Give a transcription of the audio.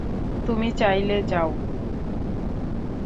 তুমি চাইলে যাও।